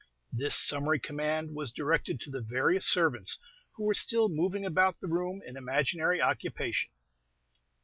This summary command was directed to the various servants, who were still moving about the room in imaginary occupation.